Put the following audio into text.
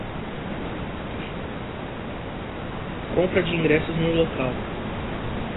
Compra de ingressos no local